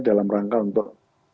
dalam rangka untuk